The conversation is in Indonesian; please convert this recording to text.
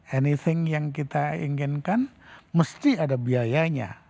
haniffing yang kita inginkan mesti ada biayanya